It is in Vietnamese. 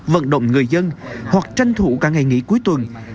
vận động người dân hoặc tranh thủ cả ngày nghỉ cuối tuần